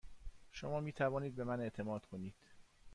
شما می توانید به من اعتماد کنید.